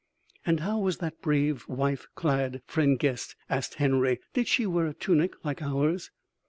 "And how was that brave wife clad, friend guest?" asked Henory. "Did she wear a tunic like ours?"